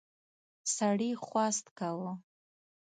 سړي خواست کاوه.